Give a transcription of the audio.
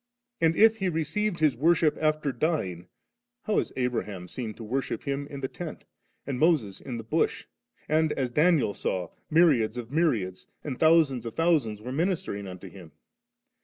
And, if He received His worship after dying, how is Abraham seen to worship Him in the tent ^, and Moses in the bush ? and, as Daniel saw, myriads of mjnnads, and thousands rf thousands were ministering unto Him